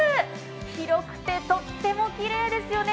広くて、とってもきれいですよね。